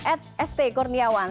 at st kurniawan